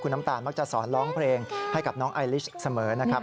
น้ำตาลมักจะสอนร้องเพลงให้กับน้องไอลิสเสมอนะครับ